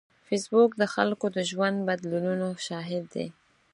فېسبوک د خلکو د ژوند بدلونونو شاهد دی